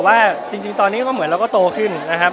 ก็กดดันเนอะแต่ว่าจริงตอนนี้ก็เหมือนเราก็โตขึ้นนะครับ